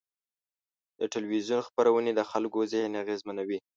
د تلویزیون خپرونې د خلکو ذهن اغېزمنوي.